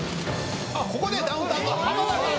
ここでダウンタウンの浜田さん。